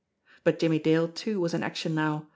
But Jimmie Dale, too, was in action now.